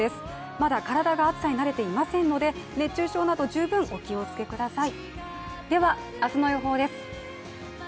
まだ体が暑さに慣れていませんので熱中症など十分お気をつけください。